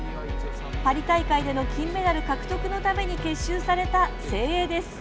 パリ大会での金メダル獲得のために結集された精鋭です。